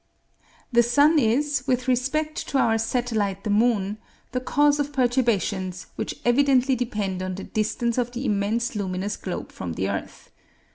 The sun is, with respect to our satellite the moon, the cause of perturbations which evidently depend on the distance of the immense luminous globe from the earth.